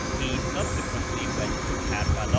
He subsequently went to Kerbela.